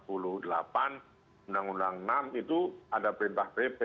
undang undang enam itu ada perintah pp